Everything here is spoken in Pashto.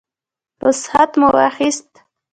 رخصت مو واخیست.